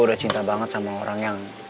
udah cinta banget sama orang yang